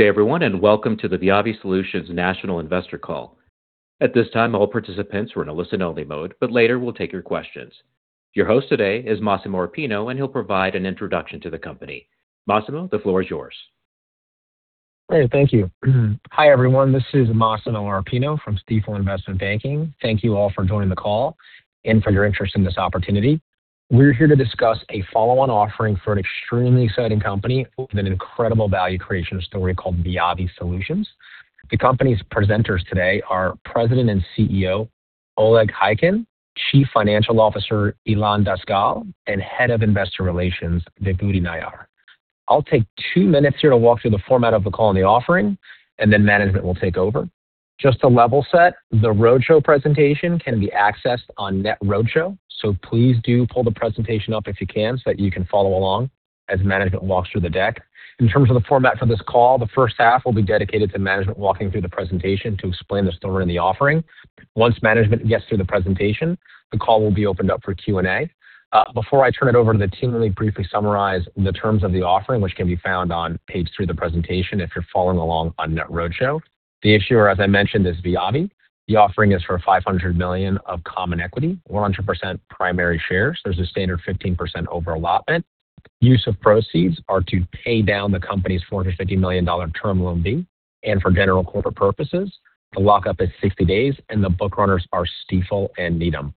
Good day, everyone. Welcome to the Viavi Solutions National Investor Call. At this time, all participants are in a listen-only mode. Later we'll take your questions. Your host today is Massimo Arpino. He'll provide an introduction to the company. Massimo, the floor is yours. Great. Thank you. Hi, everyone. This is Massimo Arpino from Stifel Investment Banking. Thank you all for joining the call and for your interest in this opportunity. We're here to discuss a follow-on offering for an extremely exciting company with an incredible value creation story called Viavi Solutions. The company's presenters today are President and CEO, Oleg Khaykin, Chief Financial Officer, Ilan Daskal, and Head of Investor Relations, Vibhuti Nayar. I'll take two minutes here to walk through the format of the call and the offering, and then management will take over. Just to level set, the roadshow presentation can be accessed on Net Roadshow, so please do pull the presentation up if you can so that you can follow along as management walks through the deck. In terms of the format for this call, the first half will be dedicated to management walking through the presentation to explain the story and the offering. Once management gets through the presentation, the call will be opened up for Q&A. Before I turn it over to the team, let me briefly summarize the terms of the offering, which can be found on page 3 of the presentation if you're following along on NetRoadshow. The issuer, as I mentioned, is Viavi. The offering is for $500 million of common equity, 100% primary shares. There's a standard 15% over-allotment. Use of proceeds are to pay down the company's $450 million Term Loan B and for general corporate purposes. The lockup is 60 days, and the book runners are Stifel and Needham.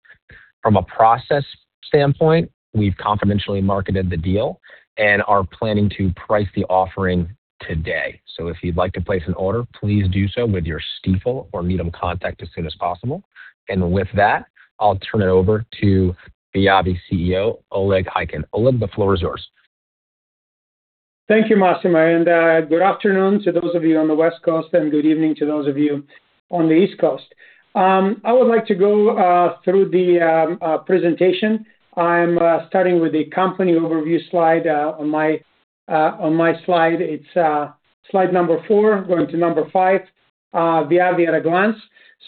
From a process standpoint, we've confidentially marketed the deal and are planning to price the offering today. If you'd like to place an order, please do so with your Stifel or Needham contact as soon as possible. With that, I'll turn it over to Viavi CEO, Oleg Khaykin. Oleg, the floor is yours. Thank you, Massimo, good afternoon to those of you on the West Coast, and good evening to those of you on the East Coast. I would like to go through the presentation. I'm starting with the company overview slide. On my slide, it's slide number 4, going to number 5, Viavi at a glance.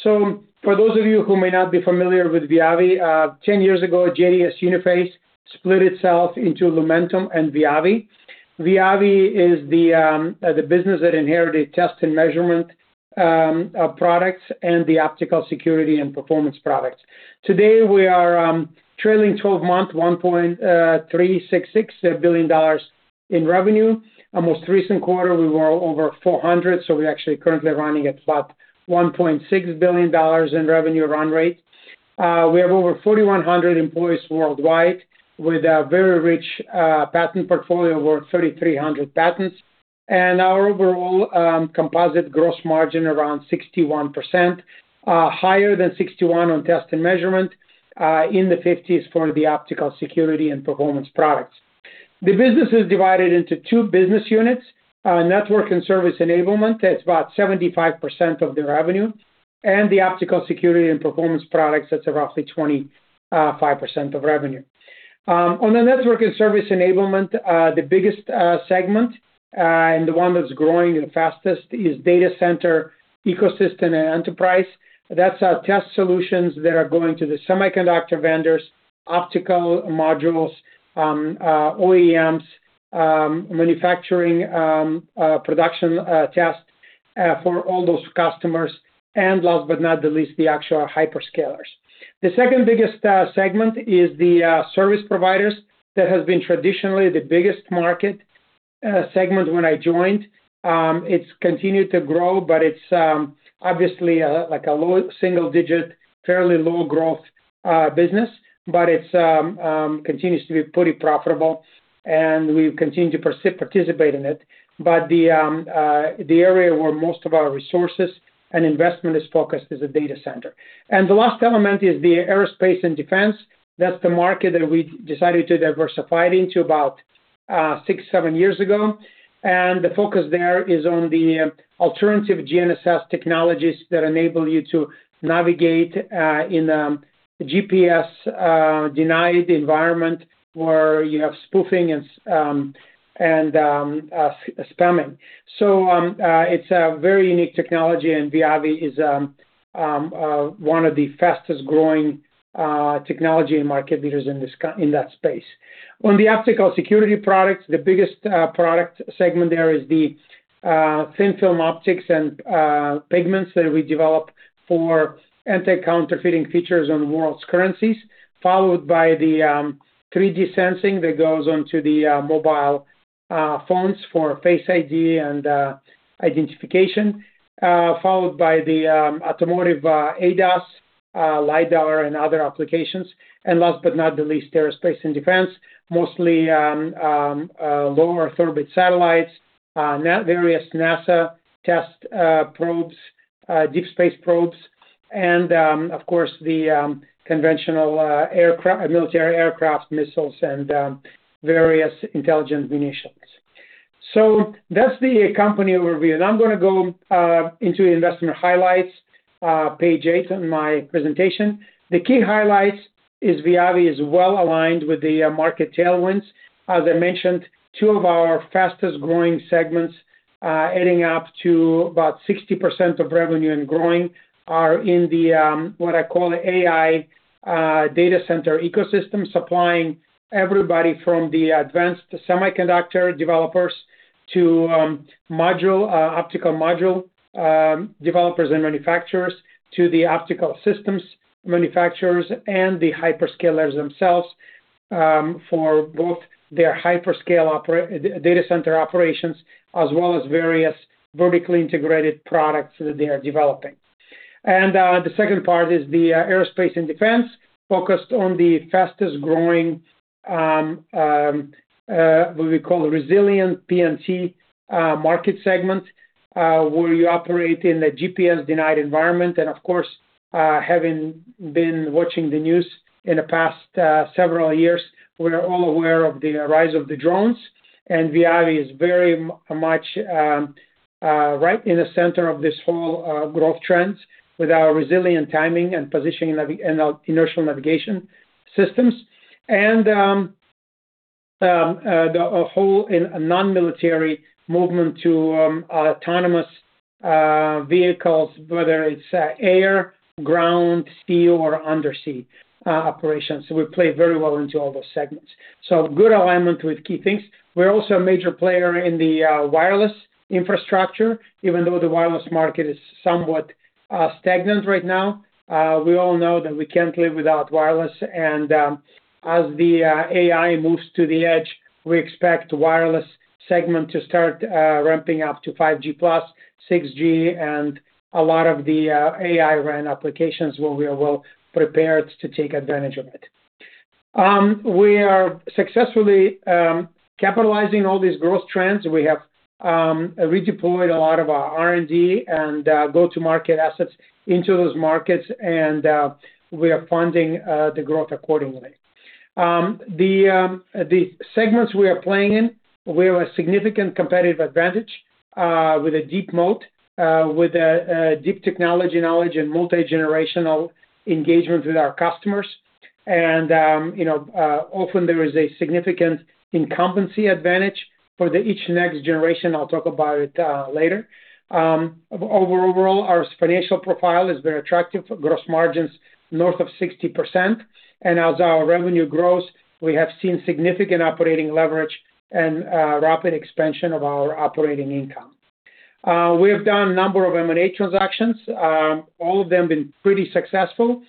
For those of you who may not be familiar with Viavi, 10 years ago, JDS Uniphase split itself into Lumentum and Viavi. Viavi is the business that inherited test and measurement products and the Optical Security and Performance Products. Today, we are trailing 12-month $1.366 billion in revenue. Our most recent quarter, we were over $400, so we're actually currently running at about $1.6 billion in revenue run rate. We have over 4,100 employees worldwide with a very rich patent portfolio of over 3,300 patents. Our overall composite gross margin around 61%, higher than 61% on test and measurement, in the 50s for the Optical Security and Performance Products. The business is divided into two business units, Network and Service Enablement, that's about 75% of the revenue, and the Optical Security and Performance Products, that's roughly 25% of revenue. On the Network and Service Enablement, the biggest segment, and the one that's growing the fastest is data center ecosystem and enterprise. That's our test solutions that are going to the semiconductor vendors, optical modules, OEMs, manufacturing, production tests, for all those customers, and last but not the least, the actual hyperscalers. The second biggest segment is the service providers. That has been traditionally the biggest market segment when I joined. It's continued to grow, but it's obviously a like a low single digit, fairly low growth business, but it continues to be pretty profitable and we continue to participate in it. The area where most of our resources and investment is focused is the data center. The last element is the aerospace and defense. That's the market that we decided to diversify into about 6, 7 years ago. The focus there is on the alternative GNSS technologies that enable you to navigate in a GPS denied environment where you have spoofing and spamming. It's a very unique technology, and Viavi is one of the fastest-growing technology and market leaders in that space. On the optical security products, the biggest product segment there is the thin-film optics and pigments that we develop for anti-counterfeiting features on the world's currencies, followed by the 3D sensing that goes onto the mobile phones for Face ID and identification, followed by the automotive ADAS LiDAR and other applications. Last but not the least, aerospace and defense, mostly, lower orbit satellites, various NASA test probes, deep space probes, and, of course, the conventional military aircraft, missiles and various intelligent munitions. That's the company overview. I'm gonna go into investment highlights, page 8 in my presentation. The key highlights is Viavi is well aligned with the market tailwinds. As I mentioned, two of our fastest-growing segments, adding up to about 60% of revenue and growing, are in the what I call AI data center ecosystem, supplying everybody from the advanced semiconductor developers to optical module developers and manufacturers, to the optical systems manufacturers and the hyperscalers themselves, for both their hyperscale data center operations, as well as various vertically integrated products that they are developing. The second part is the aerospace and defense focused on the fastest growing what we call Resilient PNT market segment, where you operate in a GPS-denied environment. Of course, having been watching the news in the past, several years, we are all aware of the rise of the drones, and Viavi is very much right in the center of this whole growth trends with our resilient timing and positioning and inertial navigation systems. The, a whole non-military movement to autonomous vehicles, whether it's air, ground, sea, or undersea operations. We play very well into all those segments. Good alignment with key things. We're also a major player in the wireless infrastructure, even though the wireless market is somewhat stagnant right now. We all know that we can't live without wireless and, as the AI moves to the edge, we expect wireless segment to start ramping up to 5G plus, 6G, and a lot of the AI RAN applications where we are well prepared to take advantage of it. We are successfully capitalizing all these growth trends. We have redeployed a lot of our R&D and go-to-market assets into those markets and we are funding the growth accordingly. The segments we are playing in, we have a significant competitive advantage with a deep moat, with a deep technology knowledge and multi-generational engagement with our customers. You know, often there is a significant incumbency advantage for the each next generation. I'll talk about it later. Overall, our financial profile is very attractive. Gross margins north of 60%, and as our revenue grows, we have seen significant operating leverage and rapid expansion of our operating income. We have done a number of M&A transactions, all of them been pretty successful.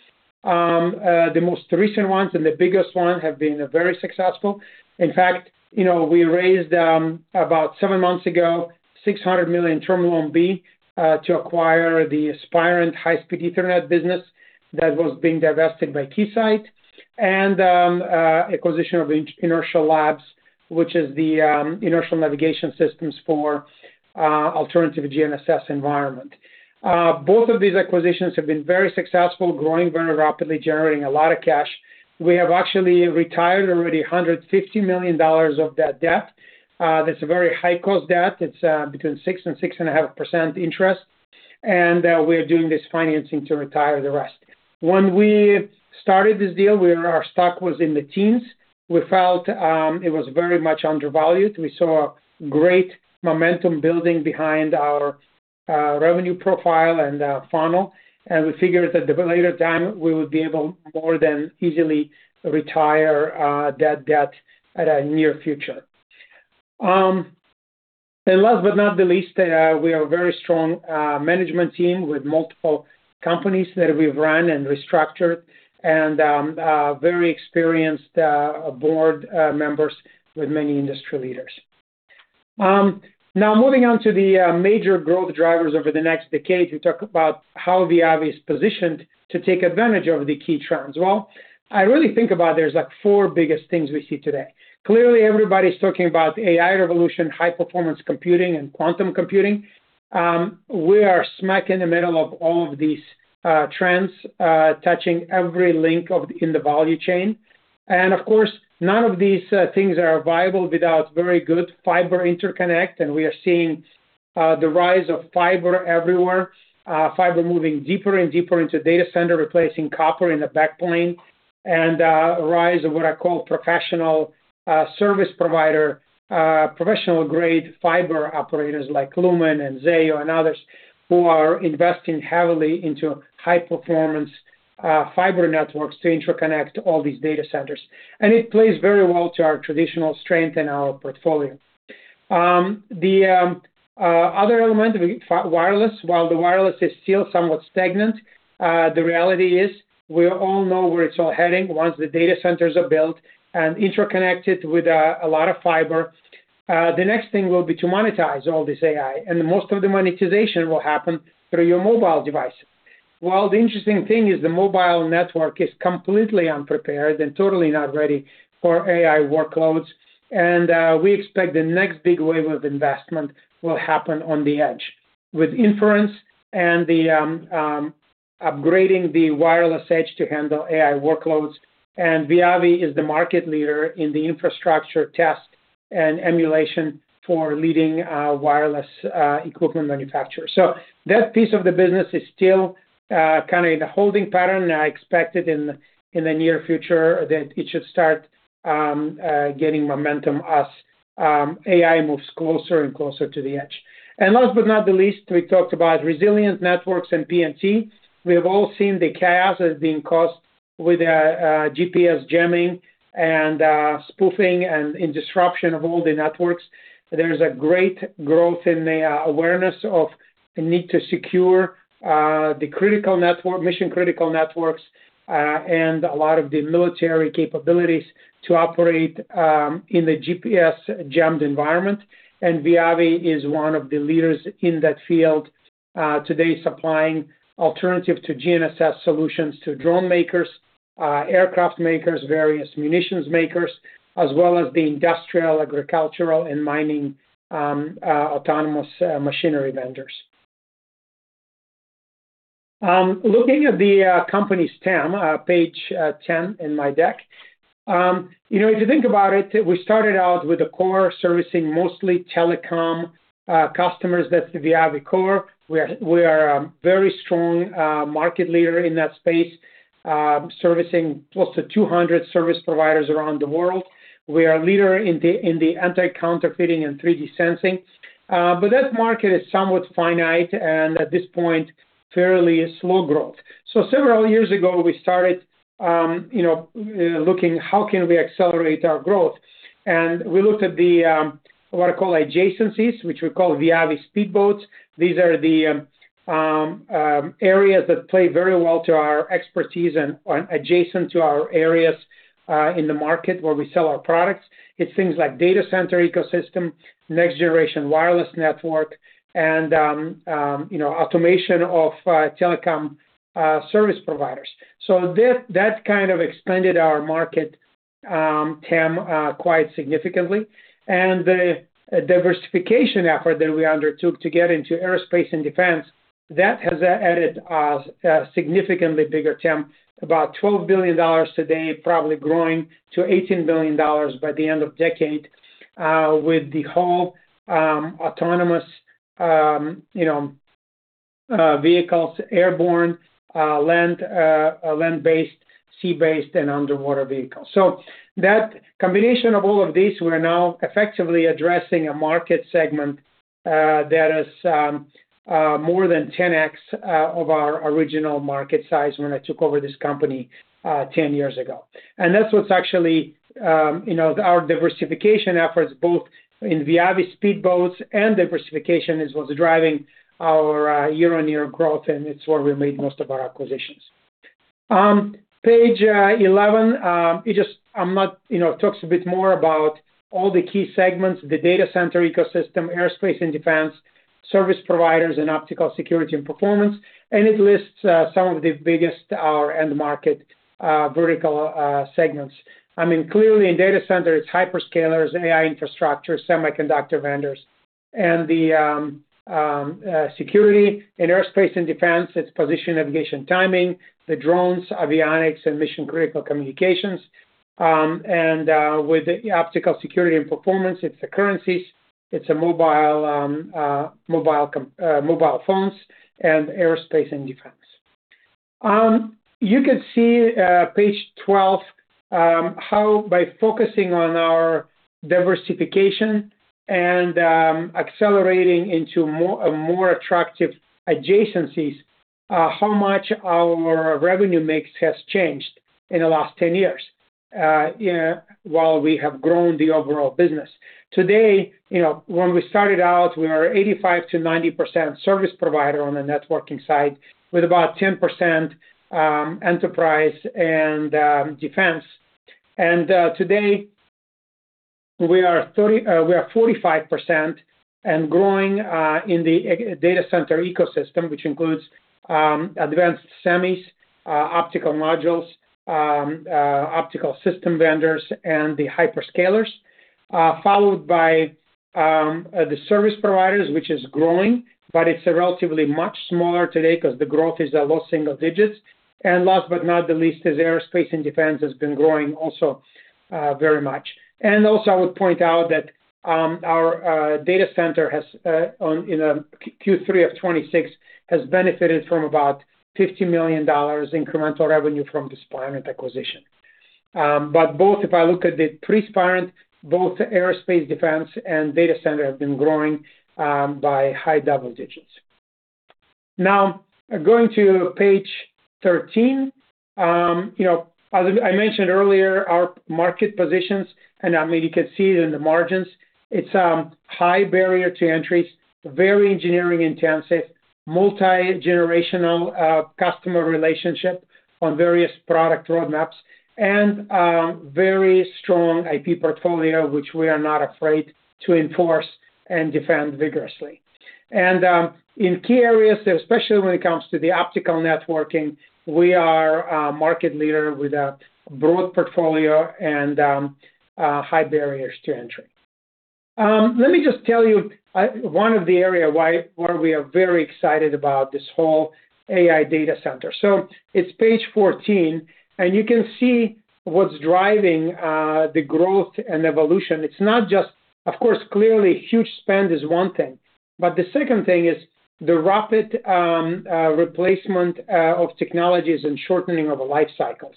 The most recent ones and the biggest one have been very successful. In fact, you know, we raised about 7 months ago, $600 million Term Loan B to acquire the Spirent High-Speed Ethernet business that was being divested by Keysight and acquisition of Inertial Labs, which is the inertial navigation systems for alternative GNSS environment. Both of these acquisitions have been very successful, growing very rapidly, generating a lot of cash. We have actually retired already $150 million of that debt. That's a very high-cost debt. It's between 6 and 6.5% interest, and we're doing this financing to retire the rest. When we started this deal, our stock was in the teens. We felt it was very much undervalued. We saw great momentum building behind our revenue profile and funnel, and we figured that at a later time we would be able more than easily retire that debt at a near future. Last but not the least, we are a very strong management team with multiple companies that we've run and restructured and very experienced board members with many industry leaders. Now moving on to the major growth drivers over the next decade to talk about how Viavi is positioned to take advantage of the key trends. Well, I really think about there's like 4 biggest things we see today. Clearly, everybody's talking about AI revolution, high-performance computing, and quantum computing. We are smack in the middle of all of these trends, touching every link in the value chain. Of course, none of these things are viable without very good fiber interconnect, and we are seeing the rise of fiber everywhere. Fiber moving deeper and deeper into data center, replacing copper in the back plane, and rise of what I call professional, service provider, professional-grade fiber operators like Lumen and Zayo and others who are investing heavily into high performance fiber networks to interconnect all these data centers. It plays very well to our traditional strength and our portfolio. The other element, wireless. While the wireless is still somewhat stagnant, the reality is we all know where it's all heading once the data centers are built and interconnected with a lot of fiber. The next thing will be to monetize all this AI, most of the monetization will happen through your mobile device. Well, the interesting thing is the mobile network is completely unprepared and totally not ready for AI workloads, we expect the next big wave of investment will happen on the edge with inference and the upgrading the wireless edge to handle AI workloads. Viavi is the market leader in the infrastructure test and emulation for leading wireless equipment manufacturers. That piece of the business is still kind of in a holding pattern. I expect it in the near future that it should start getting momentum as AI moves closer and closer to the edge. Last but not the least, we talked about resilient networks and PNT. We have all seen the chaos that has been caused with GPS jamming and spoofing and disruption of all the networks, there's a great growth in the awareness of the need to secure the critical network, mission-critical networks, and a lot of the military capabilities to operate in the GPS-jammed environment. Viavi is one of the leaders in that field, today supplying alternative to GNSS solutions to drone makers, aircraft makers, various munitions makers, as well as the industrial, agricultural, and mining autonomous machinery vendors. Looking at the company TAM page 10 in my deck. You know, if you think about it, we started out with a core servicing mostly telecom customers. That's the Viavi core. We are a very strong market leader in that space, servicing close to 200 service providers around the world. We are a leader in the anti-counterfeiting and 3D sensing. That market is somewhat finite and at this point, fairly slow growth. Several years ago we started, you know, looking how can we accelerate our growth. We looked at the what I call adjacencies, which we call Viavi Speedboats. These are the areas that play very well to our expertise and are adjacent to our areas in the market where we sell our products. It's things like data center ecosystem, next-generation wireless network, and, you know, automation of telecom service providers. That kind of expanded our market TAM quite significantly. The diversification effort that we undertook to get into aerospace and defense, that has added a significantly bigger TAM, about $12 billion today, probably growing to $18 billion by the end of decade, with the whole autonomous, you know, vehicles, airborne, land-based, sea-based, and underwater vehicles. That combination of all of these, we're now effectively addressing a market segment that is more than 10x of our original market size when I took over this company 10 years ago. That's what's actually our diversification efforts, both in Viavi Speedboats and diversification is what's driving our year-on-year growth, and it's where we made most of our acquisitions. Page 11, it talks a bit more about all the key segments, the data center ecosystem, aerospace and defense, service providers, and Optical Security and Performance, and it lists some of the biggest, our end market vertical segments. I mean, clearly in data center it's hyperscalers, AI infrastructure, semiconductor vendors. The security in aerospace and defense, it's Position, Navigation and Timing, the drones, avionics, and mission-critical communications. With the Optical Security and Performance, it's the currencies, it's mobile phones, and aerospace and defense. You can see, page 12, how by focusing on our diversification and accelerating into more, a more attractive adjacencies, how much our revenue mix has changed in the last 10 years, while we have grown the overall business. Today, you know, when we started out, we were 85% to 90% service provider on the networking side, with about 10% enterprise and defense. Today we are 45% and growing in the data center ecosystem, which includes advanced semis, optical modules, optical system vendors, and the hyperscalers. Followed by the service providers, which is growing, but it's relatively much smaller today 'cause the growth is low single digits. Last but not the least is aerospace and defense has been growing also very much. I would point out that our data center has in Q3 2026 benefited from about $50 million incremental revenue from the Spirent acquisition. If I look at the pre-Spirent, both aerospace, defense, and data center have been growing by high double digits. Going to page 13. You know, as I mentioned earlier, our market positions, I mean, you can see it in the margins, it's a high barrier to entry, very engineering intensive, multi-generational customer relationship on various product roadmaps, and very strong IP portfolio, which we are not afraid to enforce and defend vigorously. In key areas, especially when it comes to the optical networking, we are a market leader with a broad portfolio and high barriers to entry. Let me just tell you, one of the areas where we are very excited about this whole AI data center. It's page 14, and you can see what's driving the growth and evolution. It's not just Of course, clearly huge spend is one thing. The second thing is the rapid replacement of technologies and shortening of the life cycles.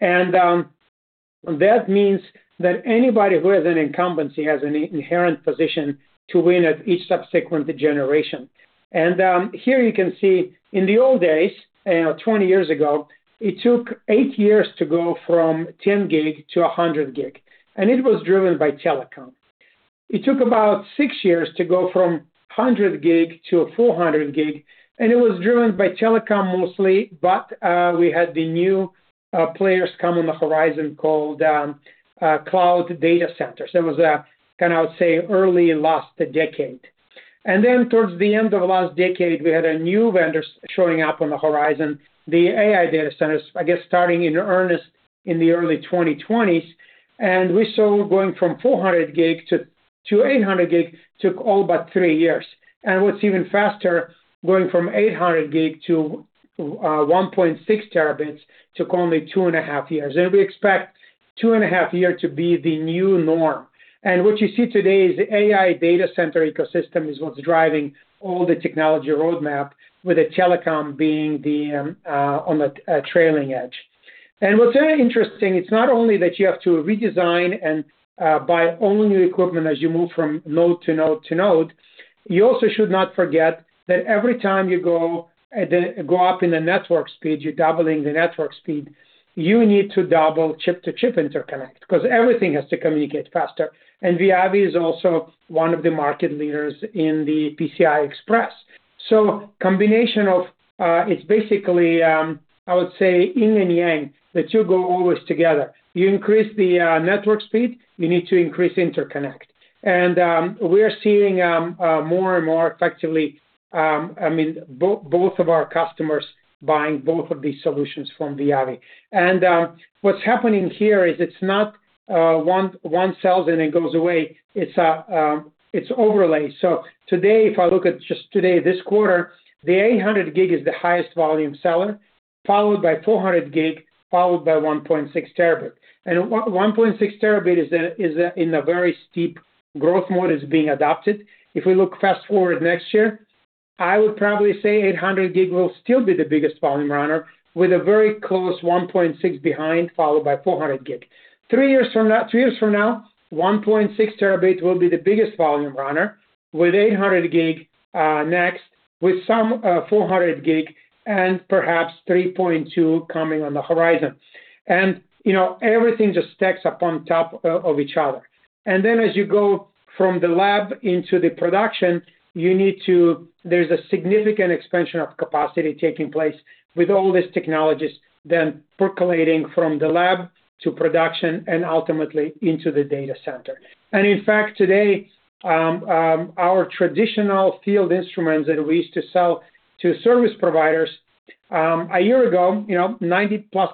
That means that anybody who has an incumbency has an inherent position to win at each subsequent generation. Here you can see in the old days, you know, 20 years ago, it took 8 years to go from 10 gig to 100 gig, and it was driven by telecom. It took about 6 years to go from 100 gig to 400 gig, and it was driven by telecom mostly, but we had the new players come on the horizon called cloud data centers. It was a kinda, I would say, early last decade. Then towards the end of last decade, we had a new vendor showing up on the horizon, the AI data centers, I guess, starting in earnest in the early 2020s, and we saw going from 400 gig to 800 gig took all but 3 years. What's even faster, going from 800 gig to 1.6 terabits took only two and a half years. We expect two and a half year to be the new norm. What you see today is the AI data center ecosystem is what's driving all the technology roadmap, with the telecom being on the trailing edge. What's very interesting, it's not only that you have to redesign and buy all new equipment as you move from node to node to node, you also should not forget that every time you go up in the network speed, you're doubling the network speed, you need to double chip-to-chip interconnect 'cause everything has to communicate faster. Viavi is also one of the market leaders in the PCI Express. Combination of, it's basically, I would say yin and yang. The two go always together. You increase the network speed, you need to increase interconnect. We are seeing, I mean both of our customers buying both of these solutions from Viavi. What's happening here is it's not one sells and it goes away. It's overlay. Today, if I look at just today, this quarter, the 800 gig is the highest volume seller, followed by 400 gig, followed by 1.6 terabit. 1.6 Tb is in a very steep growth mode is being adopted. If we look fast-forward next year, I would probably say 800 gig will still be the biggest volume runner with a very close 1.6 behind, followed by 400 gig. Three years from now, 1.6 terabits will be the biggest volume runner, with 800 gig next, with some 400 gig and perhaps 3.2 coming on the horizon. You know, everything just stacks up on top of each other. As you go from the lab into the production, there's a significant expansion of capacity taking place with all these technologies then percolating from the lab to production and ultimately into the data center. In fact, today, our traditional field instruments that we used to sell to service providers, a year ago, you know, 90%-plus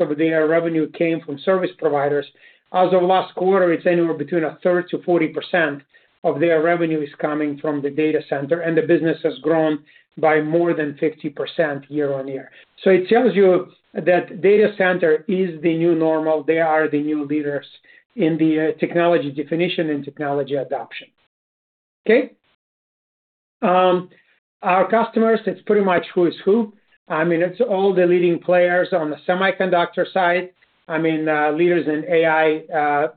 of their revenue came from service providers. As of last quarter, it's anywhere between a third to 40% of their revenue is coming from the data center, and the business has grown by more than 50% year-over-year. It tells you that data center is the new normal. They are the new leaders in the technology definition and technology adoption. Our customers, it's pretty much who is who. I mean, it's all the leading players on the semiconductor side, I mean, leaders in AI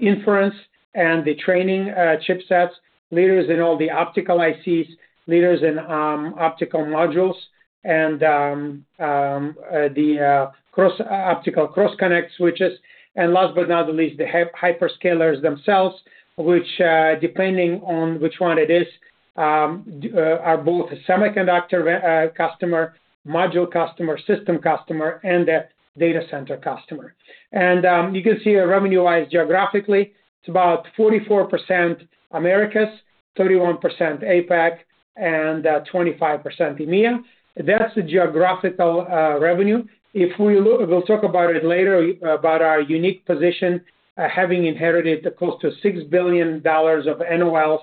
inference and the training chipsets, leaders in all the optical ICs, leaders in optical modules, and the optical cross-connect switches. Last but not least, the hyperscalers themselves, which, depending on which one it is, are both a semiconductor customer, module customer, system customer, and a data center customer. You can see revenue-wise geographically, it's about 44% Americas, 31% APAC, and 25% EMEA. That's the geographical revenue. We'll talk about it later about our unique position, having inherited close to $6 billion of NOLs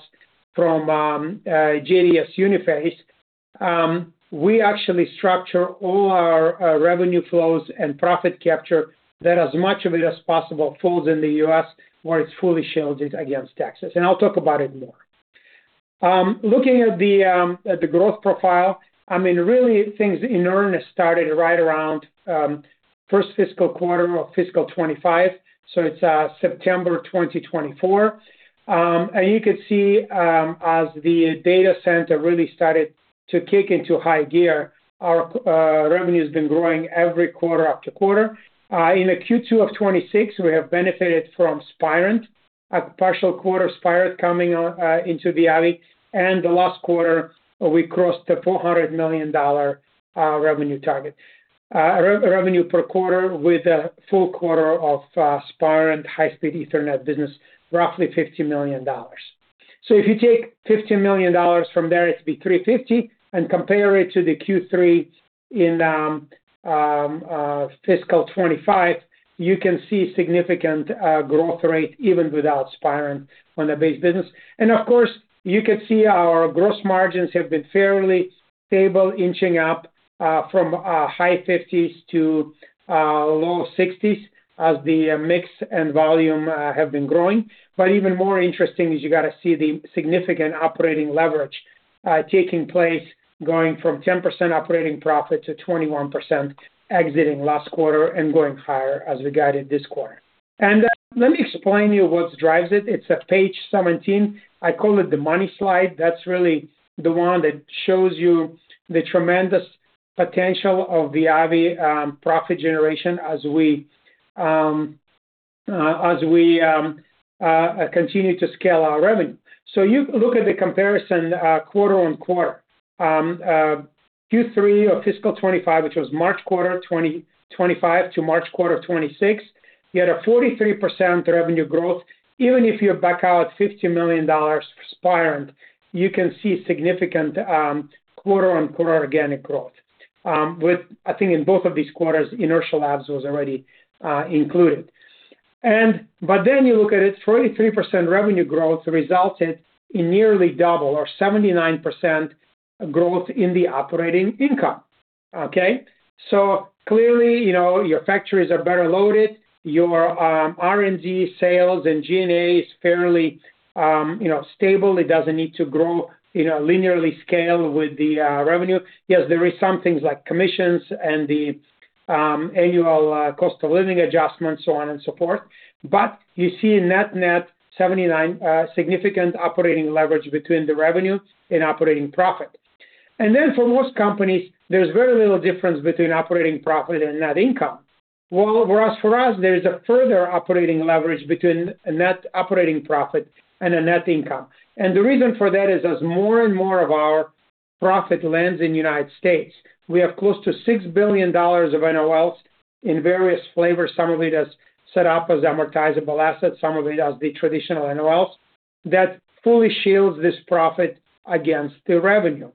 from JDS Uniphase. We actually structure all our revenue flows and profit capture that as much of it as possible falls in the U.S., where it's fully shielded against taxes, and I'll talk about it more. Looking at the growth profile, I mean, really things in earnest started right around Q1 of 2025, so it's September 2024. You can see, as the data center really started to kick into high gear, our revenue's been growing every quarter after quarter. In the Q2 of 2026, we have benefited from Spirent, a partial quarter of Spirent coming into Viavi, and the last quarter, we crossed the $400 million revenue target. Re-revenue per quarter with a full quarter of Spirent High-Speed Ethernet business, roughly $50 million. If you take $50 million from there, it'd be $350, and compare it to the Q3 in fiscal 2025, you can see significant growth rate even without Spirent on the base business. Of course, you can see our gross margins have been fairly stable, inching up from high 50s to low 60s as the mix and volume have been growing. Even more interesting is you gotta see the significant operating leverage taking place, going from 10% operating profit to 21% exiting last quarter and going higher as we guided this quarter. Let me explain to you what drives it. It's page 17. I call it the money slide. That's really the one that shows you the tremendous potential of the Viavi profit generation as we continue to scale our revenue. You look at the comparison quarter-on-quarter. Q3 of FY 2025, which was March quarter 2025 to March quarter 2026, we had a 43% revenue growth. Even if you back out $50 million for Spirent, you can see significant quarter-on-quarter organic growth. With I think in both of these quarters, Inertial Labs was already included. Then you look at it, 43% revenue growth resulted in nearly double or 79% growth in the operating income. Okay? Clearly, you know, your factories are better loaded, your R&D sales and G&A is fairly, you know, stable. It doesn't need to grow, you know, linearly scale with the revenue. Yes, there is some things like commissions and the annual cost of living adjustments so on and support. You see net net 79 significant operating leverage between the revenue and operating profit. Then for most companies, there's very little difference between operating profit and net income. Whereas for us, there is a further operating leverage between net operating profit and a net income. The reason for that is as more and more of our profit lands in the U.S., we have close to $6 billion of NOLs in various flavors. Some of it is set up as amortizable assets, some of it as the traditional NOLs that fully shields this profit against the revenue,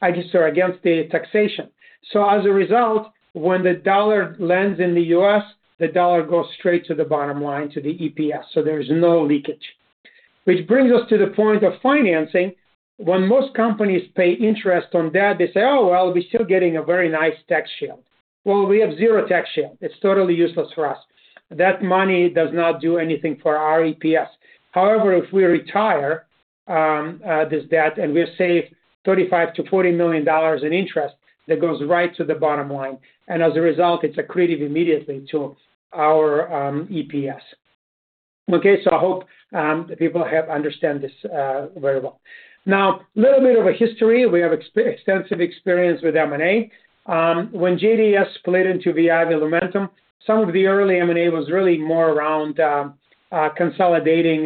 I guess, or against the taxation. As a result, when the dollar lands in the U.S., the dollar goes straight to the bottom line, to the EPS, so there is no leakage. Which brings us to the point of financing. When most companies pay interest on debt, they say, "Oh, well, we're still getting a very nice tax shield." Well, we have 0 tax shield. It's totally useless for us. That money does not do anything for our EPS. However, if we retire this debt and we save $35 million to $40 million in interest, that goes right to the bottom line. As a result, it's accretive immediately to our EPS. I hope the people have understand this very well. Little bit of a history. We have extensive experience with M&A. When JDS split into Viavi and Lumentum, some of the early M&A was really more around consolidating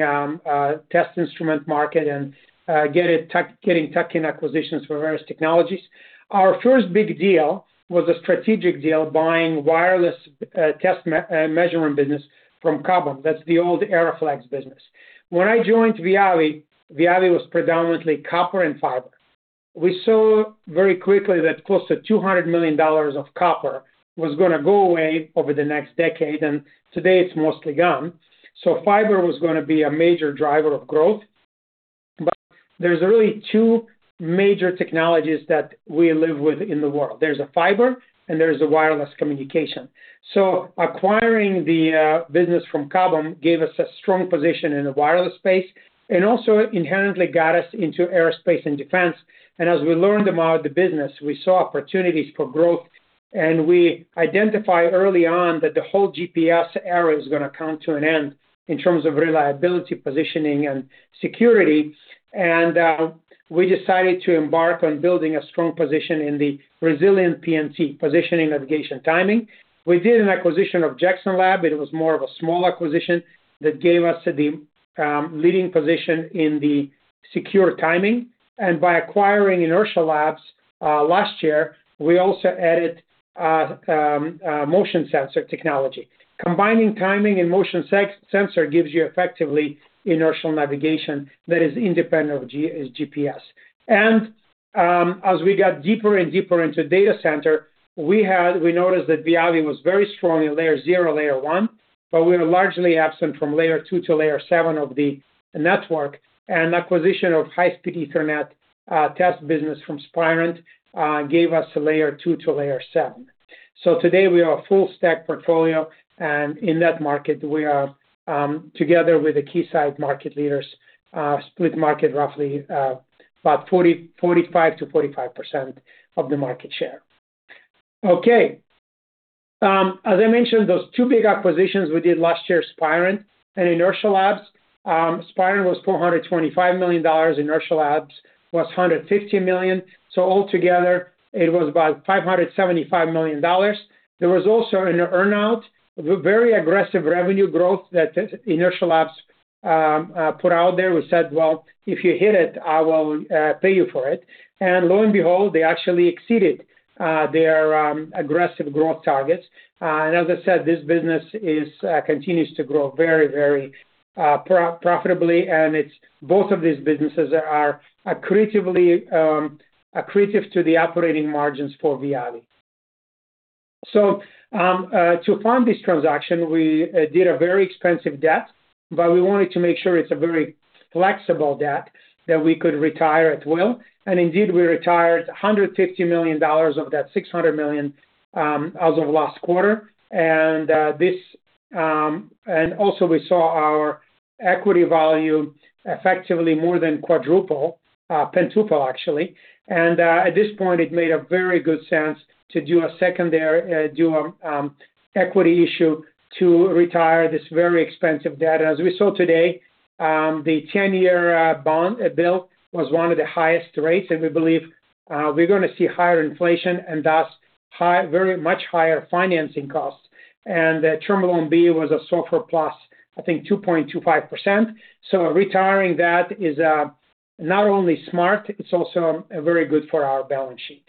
test instrument market and getting tech in acquisitions for various technologies. Our first big deal was a strategic deal buying wireless measurement business from Cobham. That's the old Aeroflex business. When I joined Viavi was predominantly copper and fiber. We saw very quickly that close to $200 million of copper was gonna go away over the next decade, and today it's mostly gone. Fiber was gonna be a major driver of growth. There's really two major technologies that we live with in the world. There's a fiber, and there's a wireless communication. Acquiring the business from Cobham gave us a strong position in the wireless space and also inherently got us into aerospace and defense. As we learned about the business, we saw opportunities for growth. We identified early on that the whole GPS era is gonna come to an end in terms of reliability, positioning, and security. We decided to embark on building a strong position in the Resilient PNT, positioning, navigation, timing. We did an acquisition of Jackson Lab. It was more of a small acquisition that gave us the leading position in the secure timing. By acquiring Inertial Labs last year, we also added motion sensor technology. Combining timing and motion sensor gives you effectively inertial navigation that is independent of GPS. As we got deeper and deeper into data center, we noticed that Viavi was very strong in layer 0, layer 1, but we were largely absent from layer 2 to layer 7 of the network. Acquisition of High-Speed Ethernet test business from Spirent gave us a layer 2 to layer 7. Today we are a full stack portfolio, and in that market we are, together with the Keysight market leaders, split market roughly, about 40% to 45% to 45% of the market share. Okay. As I mentioned, those 2 big acquisitions we did last year, Spirent and Inertial Labs. Spirent was $425 million. Inertial Labs was $150 million. Altogether, it was about $575 million. There was also an earn-out, a very aggressive revenue growth that Inertial Labs put out there. We said, "Well, if you hit it, I will pay you for it." They actually exceeded their aggressive growth targets. As I said, this business continues to grow very profitably, and both of these businesses are accretive to the operating margins for Viavi. To fund this transaction, we did a very expensive debt, but we wanted to make sure it's a very flexible debt that we could retire at will. Indeed, we retired $150 million of that $600 million as of last quarter. This also we saw our equity value effectively more than quadruple, pentuple, actually. At this point, it made a very good sense to do a secondary equity issue to retire this very expensive debt. As we saw today, the 10-year bond yield was one of the highest rates, and we believe we're gonna see higher inflation and thus very much higher financing costs. The Term Loan B was a SOFR plus, I think, 2.25%. Retiring that is not only smart, it's also very good for our balance sheet.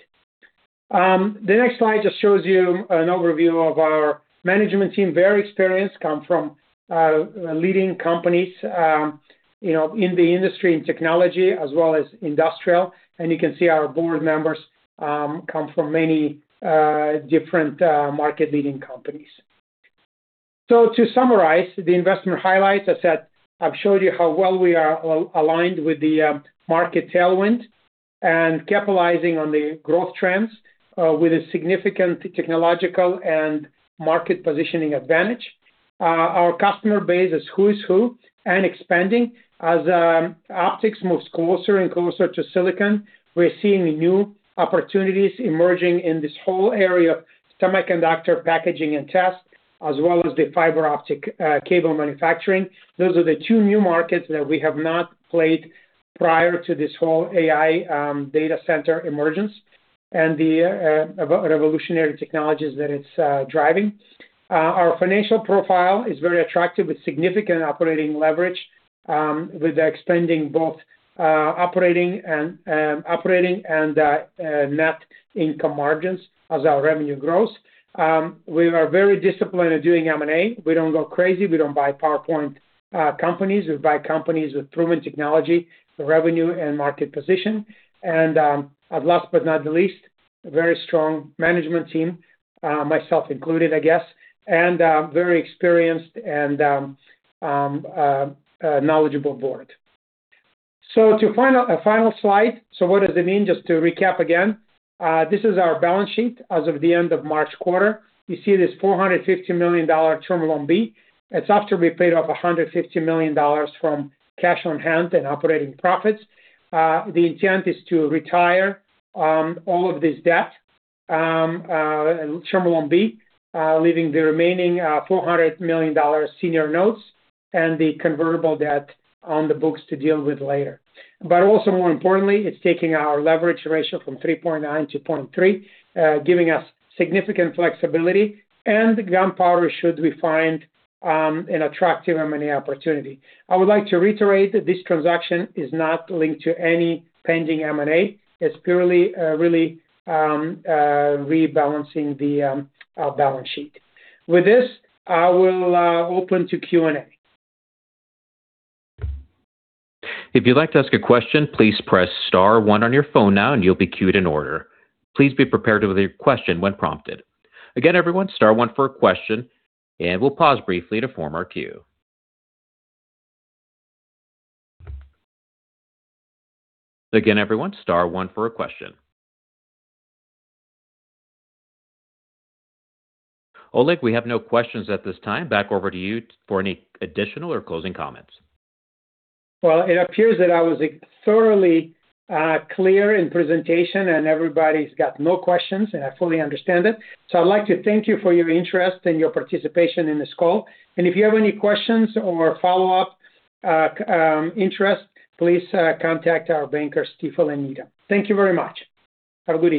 The next slide just shows you an overview of our management team. Very experienced, come from leading companies, you know, in the industry and technology as well as industrial. You can see our board members come from many different market-leading companies. To summarize the investment highlights, as I said, I've showed you how well we are aligned with the market tailwind and capitalizing on the growth trends with a significant technological and market positioning advantage. Our customer base is who's who and expanding. As optics moves closer and closer to silicon, we're seeing new opportunities emerging in this whole area of semiconductor packaging and test, as well as the fiber optic cable manufacturing. Those are the 2 new markets that we have not played prior to this whole AI, data center emergence and the re-revolutionary technologies that it's driving. Our financial profile is very attractive with significant operating leverage, with expanding both operating and net income margins as our revenue grows. We are very disciplined at doing M&A. We don't go crazy. We don't buy PowerPoint companies. We buy companies with proven technology for revenue and market position. At last but not the least, a very strong management team, myself included, I guess, and very experienced and a knowledgeable board. A final slide. What does it mean? Just to recap again. This is our balance sheet as of the end of March quarter. You see this $450 million Term Loan B. It's after we paid off $150 million from cash on hand and operating profits. The intent is to retire all of this debt, Term Loan B, leaving the remaining $400 million senior notes and the convertible debt on the books to deal with later. More importantly, it's taking our leverage ratio from 3.9 to 0.3, giving us significant flexibility and gunpowder should we find an attractive M&A opportunity. I would like to reiterate that this transaction is not linked to any pending M&A. It's purely really rebalancing the balance sheet. With this, I will open to Q&A. Oleg, we have no questions at this time. Back over to you for any additional or closing comments. Well, it appears that I was thoroughly clear in presentation and everybody's got no questions, and I fully understand it. I'd like to thank you for your interest and your participation in this call. If you have any questions or follow-up interest, please contact our bankers, Stifel and Needham. Thank you very much. Have a good day.